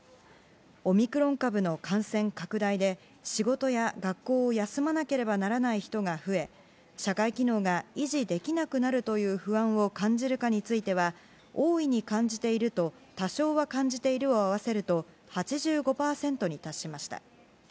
オミクロン株の感染拡大で仕事や学校を休まなければならない人が増え社会機能が維持できなくなるという不安を感じるかについては「大いに感じている」と「多少は感じている」を合わせると８５％に達しました。